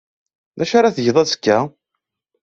D acu ara tgeḍ azekka?